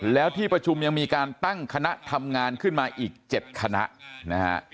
แล้วที่ประชุมยังมีการตั้งคณะทำงานขึ้นมาอีก๗คณะนะฮะ